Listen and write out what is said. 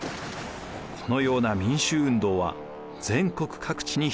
このような民衆運動は全国各地に広がりました。